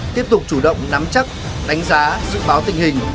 tiếp tục chủ động nắm chắc đánh giá dự báo tình hình